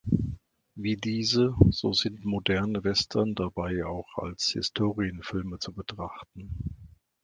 Wie diese, so sind moderne Western dabei auch als Historienfilme zu betrachten.